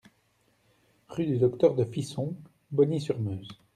Rue du Docteur de Fisson, Bogny-sur-Meuse